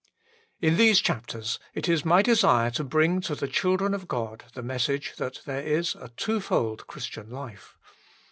In these chapters it is my desire to bring to the children of God the message that there HOW IT IS TO BE TAUGHT 9 is a twofold Christian life.